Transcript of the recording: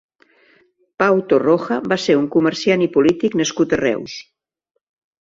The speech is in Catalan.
Pau Torroja va ser un comerciant i polític nascut a Reus.